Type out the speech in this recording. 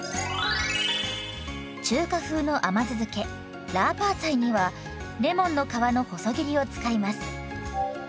中華風の甘酢漬けラーパーツァイにはレモンの皮の細切りを使います。